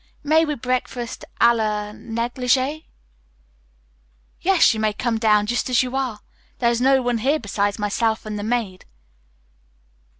"May we breakfast a la negligee?" "Yes, come down just as you are. There is no one here besides myself and the maid."